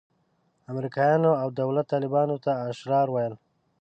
امریکایانو او دولت طالبانو ته اشرار ویل.